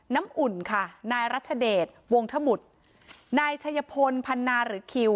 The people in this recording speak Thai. อุ่นค่ะนายรัชเดชวงธบุตรนายชัยพลพันนาหรือคิว